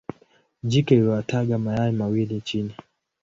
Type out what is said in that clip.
Jike huyataga mayai mawili chini.